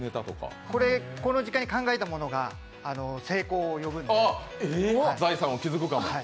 この時間に考えたものが成功を呼ぶので。